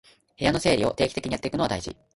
部屋の整理を定期的にやっておくのは大事